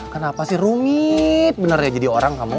kenapa sih rumit bener ya jadi orang kamu